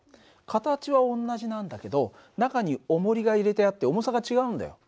形は同じなんだけど中におもりが入れてあって重さが違うんだよ。